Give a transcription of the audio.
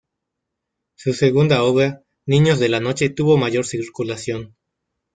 Su segunda obra "Niños de la Noche", tuvo mayor circulación.